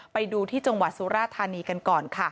ไปดูที่จังหวัดสุราธานีกันก่อนค่ะ